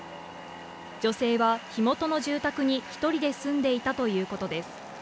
女性は火元の住宅に１人で住んでいたということです。